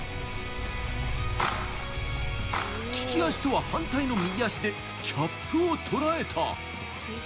利き足とは反対の右足でキャップを捉えた。